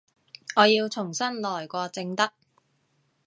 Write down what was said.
我要重新來過正得